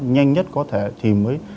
nhanh nhất có thể thì mới